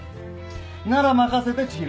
なら任せて知博。